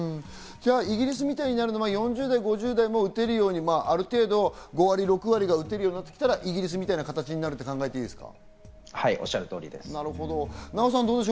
イギリスになるのは４０代、５０代も打てるように５割、６割が打てるようになってきたらイギリスみたいな形になると考えていいですか？